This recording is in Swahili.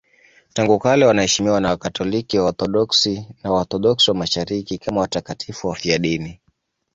Tangu kale wanaheshimiwa na Wakatoliki, Waorthodoksi na Waorthodoksi wa Mashariki kama watakatifu wafiadini.